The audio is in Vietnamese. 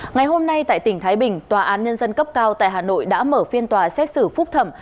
ngày hôm nay tại tỉnh thái bình tòa án nhân dân cấp cao tại hà nội đã mở phiên tòa xét xử phúc thẩm